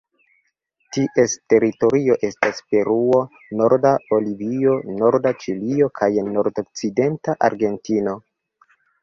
Ties teritorio estas Peruo, norda Bolivio, norda Ĉilio kaj nordokcidenta Argentino.